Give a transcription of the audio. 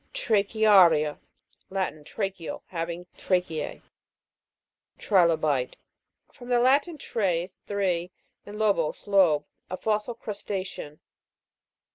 TRACHEA'RIA. Latin. Tracheal ; having tracheae. TRI'LOBITE. From the Latin, Ires, three, and lobus, lobe. A fossil crusta'cean.